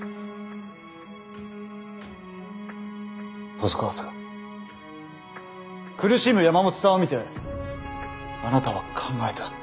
細川さん苦しむ山本さんを見てあなたは考えた。